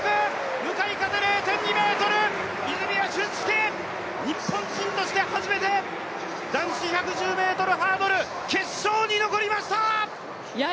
向かい風０．２メートル泉谷駿介、日本人として初めて男子１１０ｍハードル決勝に残りました。